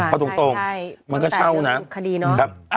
พอตรงมันก็เช่านะ